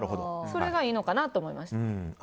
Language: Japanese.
それがいいのかなと思いました。